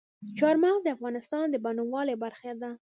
چار مغز د افغانستان د بڼوالۍ برخه ده.